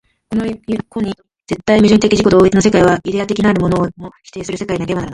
この故に絶対矛盾的自己同一の世界は、イデヤ的なるものをも否定する世界でなければならない。